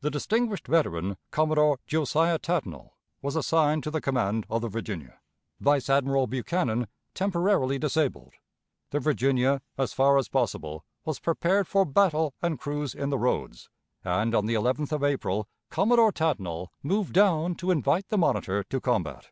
The distinguished veteran. Commodore Josiah Tatnall, was assigned to the command of the Virginia, vice Admiral Buchanan, temporarily disabled. The Virginia, as far as possible, was prepared for battle and cruise in the Roads, and, on the 11th of April, Commodore Tatnall moved down to invite the Monitor to combat.